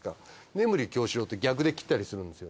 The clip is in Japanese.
『眠狂四郎』って逆で斬ったりするんですよね。